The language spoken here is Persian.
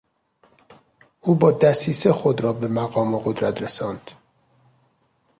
او با دسیسه خود را به مقام و قدرت رساند.